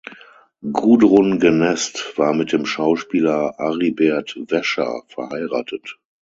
Gudrun Genest war mit dem Schauspieler Aribert Wäscher verheiratet.